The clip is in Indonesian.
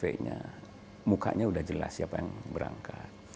dan ktv nya mukanya sudah jelas siapa yang berangkat